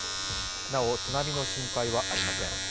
なお、津波の心配はありません。